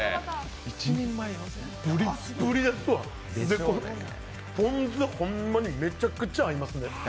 プリップリですわ、ぽん酢、ほんまにめちゃくちゃ合いますね。